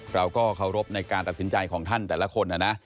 เราก็เคารพในการตัดสินใจของท่านแต่ละคนนะนะ